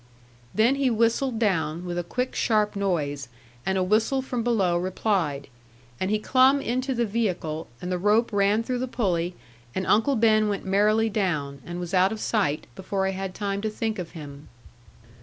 Then he whistled down, with a quick sharp noise, and a whistle from below replied; and he clomb into the vehicle, and the rope ran through the pulley, and Uncle Ben went merrily down, and was out of sight, before I had time to think of him.